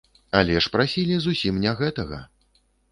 Але ж прасілі зусім не гэтага.